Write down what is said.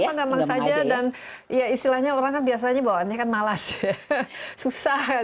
memang gampang saja dan ya istilahnya orang kan biasanya bawaannya kan malas susah